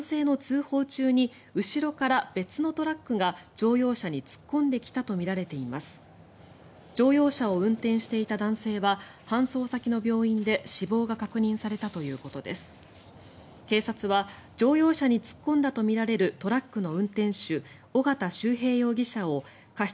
警察は乗用車に突っ込んだとみられるトラックの運転手尾方周平容疑者を過失